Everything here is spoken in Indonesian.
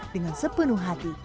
dengan sepenuh hati